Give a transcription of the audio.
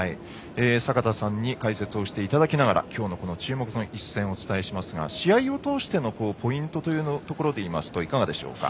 坂田さんに解説をしていただきながらきょうの注目の一戦をお伝えしますが試合を通してのポイントはいかがでしょうか？